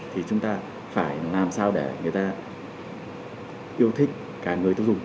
thì chúng ta phải làm sao để người ta yêu thích cả người tư dụng